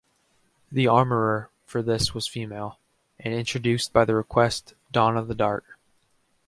The armourer for this was female, and introduced by the request, "Donna, the dart".